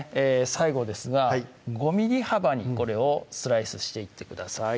最後ですが５ｍｍ幅にこれをスライスしていってください